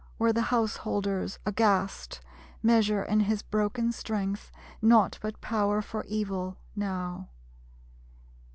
Where the householders, aghast, Measure in his broken strength Nought but power for evil, now.